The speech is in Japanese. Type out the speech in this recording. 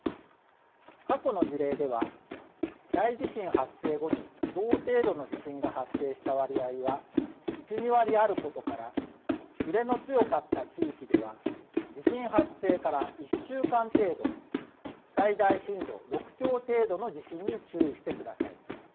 過去の事例では、大地震発生後に、同程度の地震が発生した割合は、１、２割あることから、揺れの強かった地域では、地震発生から１週間程度、最大震度６強程度の地震に注意してください。